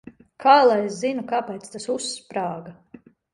Kā lai es zinu, kāpēc tas uzsprāga?